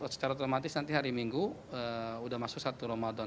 secara otomatis nanti hari minggu sudah masuk satu ramadan